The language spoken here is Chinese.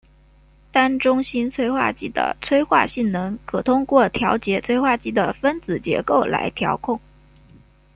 单中心催化剂的催化性能可通过调节催化剂的分子结构来调控。